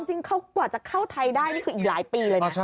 จริงเขากว่าจะเข้าไทยได้นี่คืออีกหลายปีเลยนะ